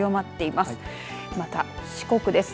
また、四国です。